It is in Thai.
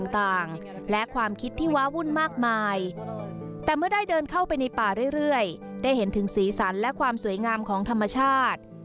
แต่เมื่อได้เดินเข้าไปในป่าเรื่อยได้เห็นถึงสีสันและความสวยงามของธรรมชาติ